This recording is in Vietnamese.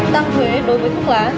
tăng thuế đối với thuốc lá